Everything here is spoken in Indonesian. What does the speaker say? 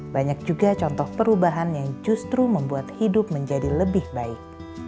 banyak juga contoh perubahan yang justru membuat hidup menjadi lebih baik